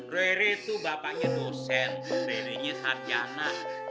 rere tuh bapaknya dosen rerenya sarjana